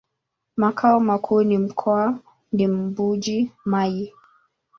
Makao makuu ya mkoa ni Mbuji-Mayi.